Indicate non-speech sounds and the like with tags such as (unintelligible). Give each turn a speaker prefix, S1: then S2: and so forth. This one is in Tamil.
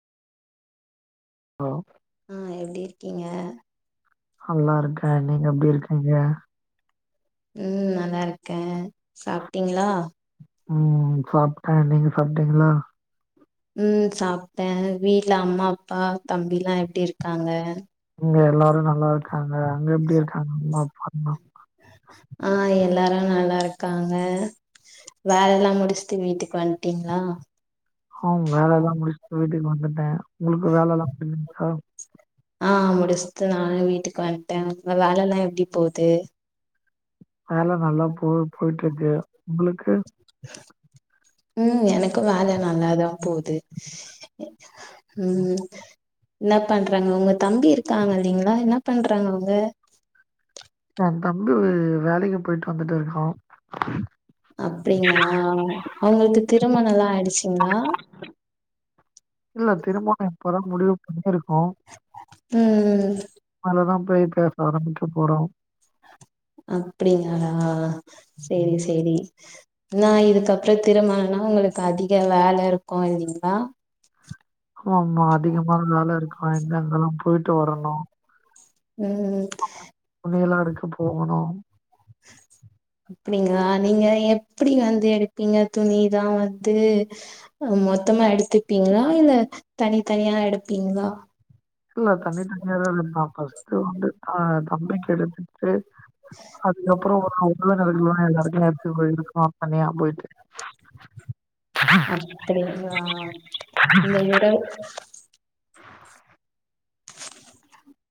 S1: ஹலோ
S2: ம் எப்டி இருக்கீங்க
S1: நல்லாருக்கே நீங்க எப்டி இருக்கீங்க
S2: ம் நல்லாருக்கே சாப்டீங்ளா
S1: ம் சாப்ட்டே நீங்க சாப்ட்டீங்ளா
S2: ம் சாப்ட்டே வீட்ல அம்மா அப்பா தம்பிலா எப்டி இருக்காங்க
S1: இங்க எல்லாரு நல்லா இருக்காங்க அங்க எப்டி இருக்காங்க அம்மா அப்பா
S2: ஆ எல்லாரு நல்லா இருக்காங்க வேலலா முடிச்ட்டு வீட்டுக் வந்டீங்ளா
S1: ஆம் வேல எல்லா முடிச்சிட்டு வீட்டுக்கு வந்துட்டே உங்களுக்கு வேல எல்லா முடிஞ்சிடுச்சா
S2: ஆ முடிச்ட்டு நானு வீட்டுக்கு வந்டே வேலல்லா எப்டி போது
S1: வேல நல்லா போ போய்ட்ருக்கு உங்களுக்கு
S2: ம் எனக்கு வேல நல்லா தா போது ம் என்ன பண்றாங்க உங்க தம்பி இருக்காங்க இல்லிங்ளா என்ன பண்றாங்க அவுங்க
S1: எ தம்பி வேலைக்கு போய்ட்டு வந்துட்டு இருக்கா
S2: அப்டிங்களா அவுங்களுக்கு திருமண லா ஆயிடுச்சிங்ளா
S1: இல்ல திருமணோ இப்பதா முடிவு பண்ணி இருக்கோ
S2: ம் ம்
S1: மேல தா போய் பேச ஆரம்பிக்க போறோ
S2: அப்டிங்களா சேரி ஸ் சேரி இன்னா இதுக்கு அப்புற திருமணம்னா உங்களுக்கு அதிக வேல இருக்கு இல்லிங்களா
S1: ஆமா அதிகமா வேல இருக்க எங்க அங்கெல்லாம் போயிட்டு வரணு
S2: ம் ம்
S1: துணிலா எடுக்க போகணு
S2: உ (unintelligible) அப்டிங்களா நீங்க எப்டி வந்து எடுப்பீங்க துணிதா வந்து மொத்தமா எடுத்துப்பீங்களா இல்ல தனி தனியா எடுப்பீங்களா
S1: இல்ல தனி தனியா தா எடுப்பே ஃபஸ்ட்டு வந்து அ தம்பிக்கு எடுத்துட்டு அதுக்கப்புற ஒரு ஆவு (unintelligible) எல்லாருக்கு எத்து போய்ருக்கோ தனியா போயிட்டு
S2: தெரியலயா இந்த (inaudible) (unintelligible)